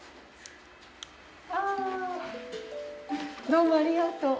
どうもありがとう。